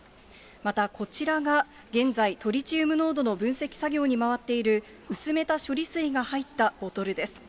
また、こちらが現在、トリチウム濃度の分析作業に回っている薄めた処理水が入ったボトルです。